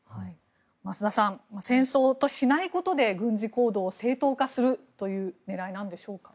増田さん戦争としないことで軍事行動を正当化するという狙いなんでしょうか？